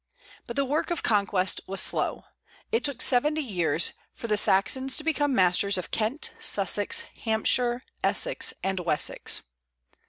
But the work of conquest was slow. It took seventy years for the Saxons to become masters of Kent, Sussex, Hampshire, Essex, and Wessex.